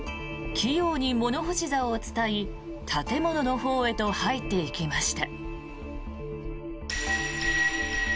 器用に物干しざおを伝い建物のほうへと入っていきました。